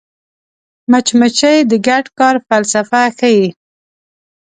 مچمچۍ د ګډ کار فلسفه ښيي